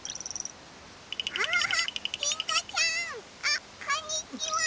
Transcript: あっこんにちは！